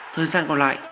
thời gian còn lại